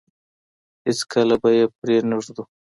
هېڅکله به يې پرې نه ږدو.